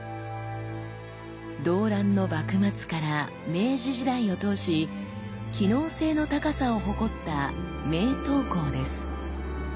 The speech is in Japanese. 動乱の幕末から明治時代を通し機能性の高さを誇った名刀工です。